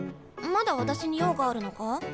まだ私に用があるのか？